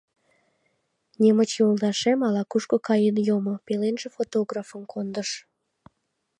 Немыч йолташем ала-кушко каен йомо, пеленже фотографым кондыш.